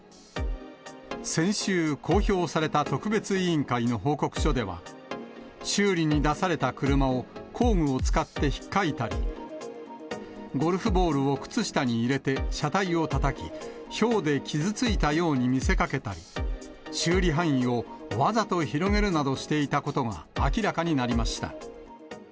先週、公表された特別委員会の報告書では、修理に出された車を工具を使ってひっかいたり、ゴルフボールを靴下に入れて車体をたたき、ひょうで傷ついたように見せかけたり、修理範囲をわざと広げるなどしていたことが明らかになりました。